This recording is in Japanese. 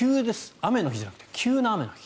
雨の日じゃなくて急な雨の日。